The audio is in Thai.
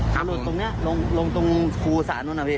ครับผมหลุดตรงเนี่ยลงตรงครูสระนู้นนะพี่